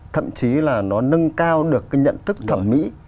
thậm chí là nó nâng cao được cái nhận thức thẩm mỹ